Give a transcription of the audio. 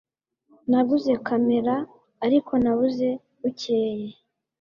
Naguze kamera, ariko nabuze bukeye.